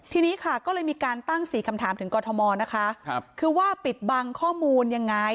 ทีนี้ค่ะก็เลยมีการตั้ง๔คำถามถึงกรทมนะคะคือว่าปิดบังข้อมูลยังไง